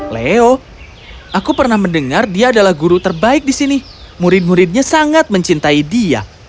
leo aku pernah mendengar dia adalah guru terbaik di sini murid muridnya sangat mencintai dia